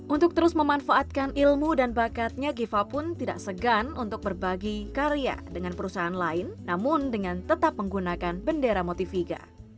untuk terus memanfaatkan ilmu dan bakatnya giva pun tidak segan untuk berbagi karya dengan perusahaan lain namun dengan tetap menggunakan bendera motiviga